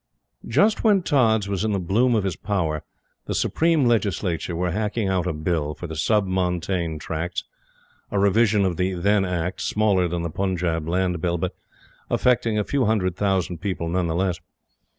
Just when Tods was in the bloom of his power, the Supreme Legislature were hacking out a Bill, for the Sub Montane Tracts, a revision of the then Act, smaller than the Punjab Land Bill, but affecting a few hundred thousand people none the less.